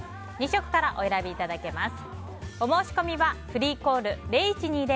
２色からお選びいただけます。